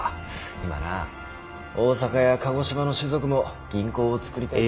今な大阪や鹿児島の士族も銀行を作りたいと。